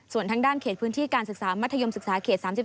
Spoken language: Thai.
ส่วนทางด้านเขตพื้นที่การศึกษามัธยมศึกษาเขต๓๔